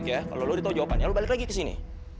kalau lu ditau jawabannya lu balik lagi ke sini